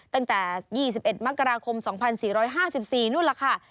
ตั้งแต่๒๑มกราคม๒๔๕๔นู่นล่ะค่ะ